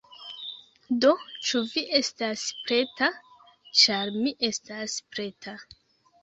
Do, ĉu vi estas preta? ĉar mi estas preta!